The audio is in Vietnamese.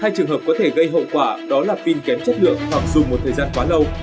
hai trường hợp có thể gây hậu quả đó là pin kém chất lượng hoặc dù một thời gian quá lâu